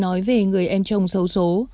nói về người em chồng xấu xố